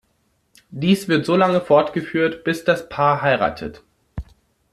Dies wird so lange fortgeführt, bis das Paar heiratet.